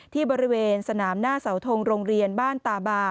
ที่บริเวณสนามหน้าเสาทงโรงเรียนบ้านตาบา